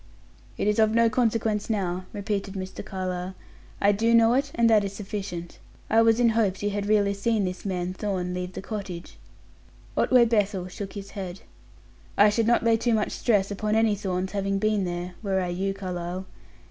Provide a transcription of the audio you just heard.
"It is of no consequence now," repeated Mr. Carlyle; "I do know it, and that is sufficient. I was in hopes you had really seen this man Thorn leave the cottage." Otway Bethel shook his head. "I should not lay too much stress upon any Thorns having been there, were I you, Carlyle.